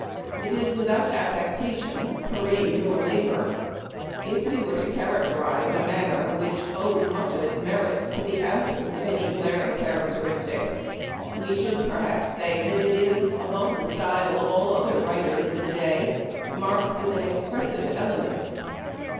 It is without affectation, parade, or labor. If we were to characterize a manner which owes much of its merit to the absence of any glaring characteristic, we should perhaps say that it is, above the style of all other writers of the day, marked with an expressive elegance.